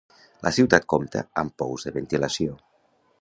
La ciutat compta amb pous de ventilació.